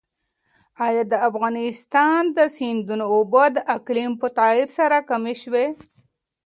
ایا د افغانستان د سیندونو اوبه د اقلیم په تغیر سره کمې شوي؟